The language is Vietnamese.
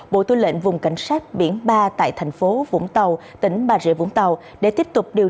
bộ tư lệnh vùng cảnh sát biển ba tại thành phố vũng tàu tỉnh bà rịa vũng tàu để tiếp tục điều